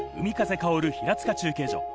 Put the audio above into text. かおる平塚中継所。